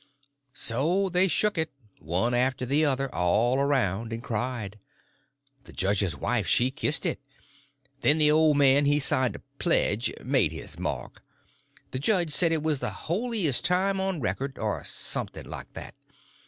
So they shook it, one after the other, all around, and cried. The judge's wife she kissed it. Then the old man he signed a pledge—made his mark. The judge said it was the holiest time on record, or something like that.